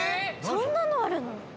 そんなのあるの？